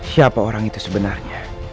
siapa orang itu sebenarnya